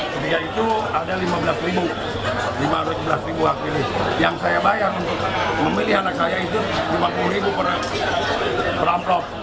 jadi itu ada lima belas ribu lima ratus sebelas ribu yang saya bayar untuk memilih anak saya itu lima puluh ribu per amplop